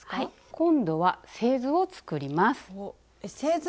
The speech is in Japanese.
今度は製図を作ります。